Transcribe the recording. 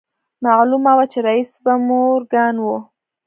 معلومه وه چې رييس به مورګان و.